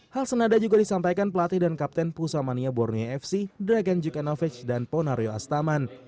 hal senada juga disampaikan pelatih dan kapten pusat mania borneo fc dragan jukanovic dan ponario astaman